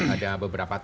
ada beberapa tahun